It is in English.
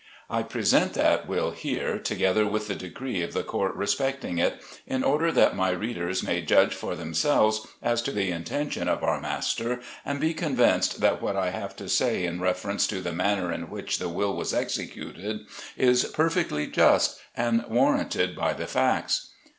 I present that will here, together with the decree of the Court respecting it, in order that my readers may judge for themselves as to the intention of our master, and be convinced that what I have to say in reference to the manner in which the will was exe cuted is perfectly just, and warranted by the facts.